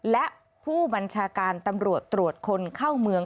และผู้บัญชาการตำรวจตรวจคนเข้าเมือง